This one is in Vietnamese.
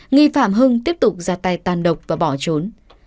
nghi phạm hưng tiếp tục ra tay tàn độc và bỏ trốn